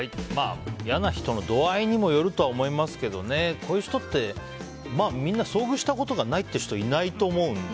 嫌な人の度合いにもよると思いますけどねこういう人って、まあ、みんな遭遇したことがないって人はいないと思うので。